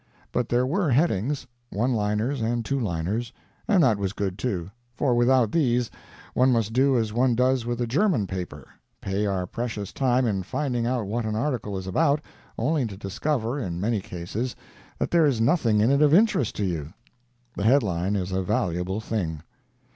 But there were headings one liners and two liners and that was good too; for without these, one must do as one does with a German paper pay out precious time in finding out what an article is about, only to discover, in many cases, that there is nothing in it of interest to you. The headline is a valuable thing.